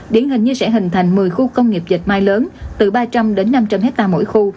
điển hình như sẽ hình thành một mươi khu công nghiệp dịch may lớn từ ba trăm linh đến năm trăm linh hectare mỗi khu